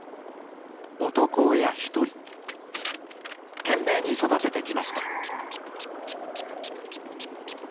男親一人懸命に育ててきました